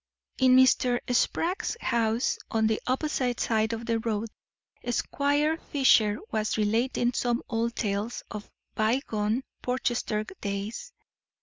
In Mr. Sprague's house on the opposite side of the road, Squire Fisher was relating some old tales of bygone Portchester days.